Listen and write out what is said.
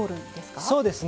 そうですね。